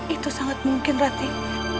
itu sangat mungkin ratih